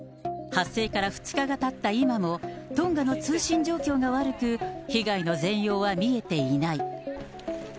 発生から２日がたった今も、トンガの通信状況が悪く、被害の全容は見えていない。